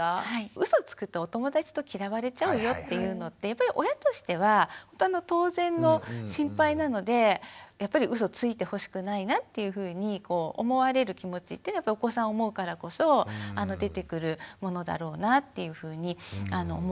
うそつくとお友達に嫌われちゃうよっていうのってやっぱり親としては当然の心配なのでやっぱりうそついてほしくないなっていうふうに思われる気持ちってやっぱりお子さんを思うからこそ出てくるものだろうなっていうふうに思うので。